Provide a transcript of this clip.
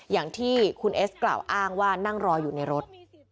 อย่างที่คุณเอสกล่าวอ้างว่านั่งรออยู่ในรถ